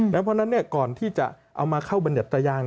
เพราะฉะนั้นก่อนที่จะเอามาเข้าบรรยัตยาง